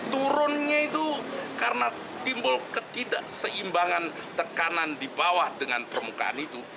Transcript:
turunnya itu karena timbul ketidakseimbangan tekanan di bawah dengan permukaan itu